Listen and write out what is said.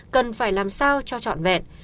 cần phải làm sao cho trọn vẹn